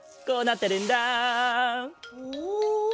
こうなってるんだ。